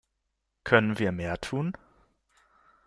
Können wir mehr tun?